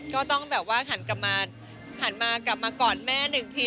ก็ต้องแบบว่าหันกลับมาหันมากลับมากอดแม่หนึ่งที